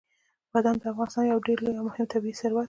بادام د افغانستان یو ډېر لوی او مهم طبعي ثروت دی.